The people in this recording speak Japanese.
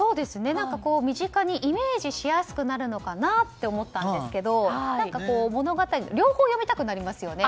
身近にイメージしやすくなるのかなと思ったんですけど両方読みたくなりますよね。